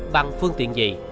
bằng phương tiện gì